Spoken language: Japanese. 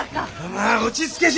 まあ落ち着けし！